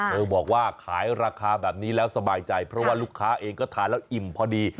เธอบอกว่าขายราคาแบบนี้แล้วสบายใจเพราะว่าลูกค้าเองก็ทานแล้วอิ่มพอดี